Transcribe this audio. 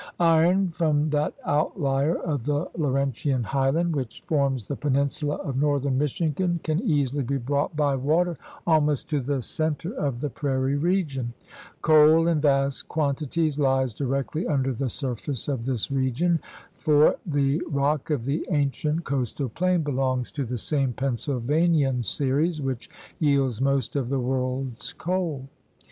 Iron from that outlier of the Laurentian highland which GEOGRAPHIC PROVINCES 73 forms the peninsula of northern Michigan can easily be brought by water almost to the center of the prairie region. Coal in vast quantities lies directly under the surface of this region, for the rock of the ancient coastal plain belongs to the same Pennsylvanian series which yields most of the world's coal.